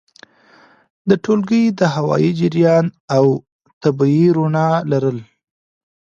د ټولګي د هوايي جریان او طبیعي رؤڼا لرل!